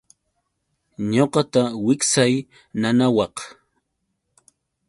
Ñuqata wiksay nanawaq.